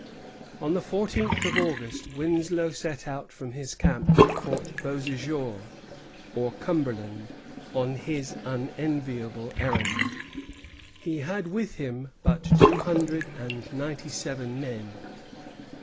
On the fourteenth of August Winslow set out from his camp at Fort Beauséjour, or Cumberland, on his unenviable errand. He had with him but two hundred and ninety seven men.